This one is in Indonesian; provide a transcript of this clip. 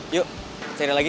yuk cari lagi